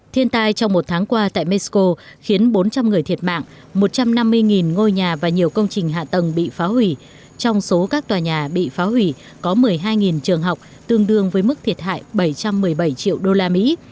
thiên tai trong một tháng qua tại mexico khiến bốn trăm linh người thiệt mạng một trăm năm mươi ngôi nhà và nhiều công trình hạ tầng bị phá hủy trong số các tòa nhà bị phá hủy có một mươi hai trường học tương đương với mức thiệt hại bảy trăm một mươi bảy triệu đô la mỹ